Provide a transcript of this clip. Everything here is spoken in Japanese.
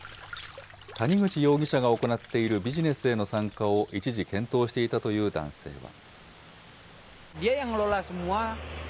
谷口容疑者が行っているビジネスへの参加を一時検討していたという男性は。